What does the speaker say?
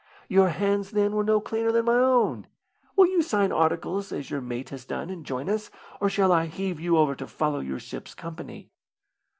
Your hands then were no cleaner than my own. Will you sign articles, as your mate has done, and join us, or shall I heave you over to follow your ship's company?"